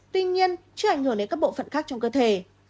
tuy nhiên chưa ảnh hưởng đến các bộ phận khác trong cơ thể